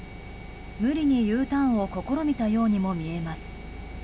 無理にＵターンを試みたようにもみえます。